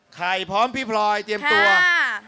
พร้อมพี่พลอยเตรียมตัว